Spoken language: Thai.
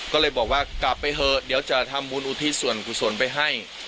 ก็เลยบอกว่ากลับไปเถอะเดี๋ยวจะทำบุญอุทิศส่วนกุศลไปให้